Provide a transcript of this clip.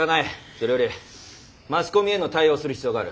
それよりマスコミへの対応をする必要がある。